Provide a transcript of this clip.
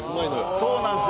そうなんですよ。